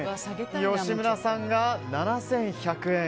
吉村さんが７１００円。